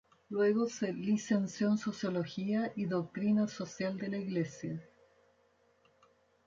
Luego se licenció en Sociología y Doctrina social de la Iglesia.